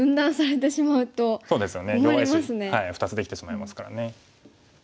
弱い石２つできてしまいますからね。